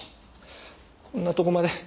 こんなとこまで。